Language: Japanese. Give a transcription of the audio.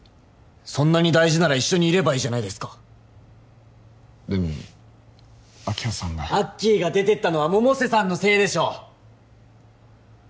そんなに大事なら一緒にいればいいじゃないですかでも明葉さんがアッキーが出てったのは百瀬さんのせいでしょ！